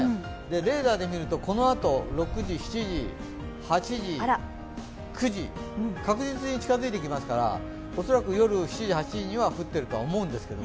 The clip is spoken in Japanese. レーダーで見ていくと、この後、確実に近づいてきますからおそらく夜７時８時には降ってると思うんですけど。